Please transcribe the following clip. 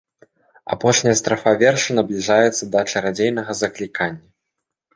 Апошняя страфа верша набліжаецца да чарадзейнага заклікання.